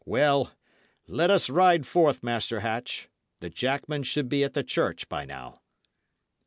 Well, let us ride forth, Master Hatch. The jackmen should be at the church by now."